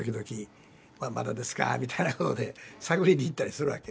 まだですかみたいなことで探りに行ったりするわけ。